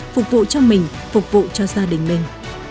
phục vụ cho mình phục vụ cho gia đình mình